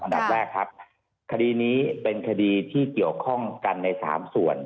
อันดับแรกครับคดีนี้เป็นคดีที่เกี่ยวข้องกันใน๓ส่วน